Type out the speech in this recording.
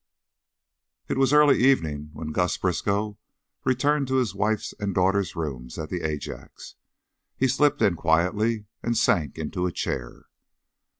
It was early evening when Gus Briskow returned to his wife's and his daughter's rooms at the Ajax. He slipped in quietly and sank into a chair.